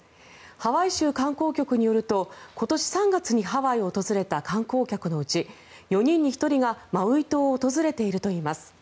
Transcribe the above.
ハワイ州観光局によると今年３月にハワイを訪れた観光客のうち４人に１人がマウイ島を訪れているといいます。